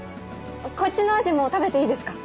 こっちのアジも食べていいですか？